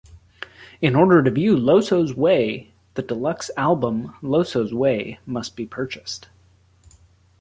In order to view "Loso's Way", the deluxe album "Loso's Way" must be purchased.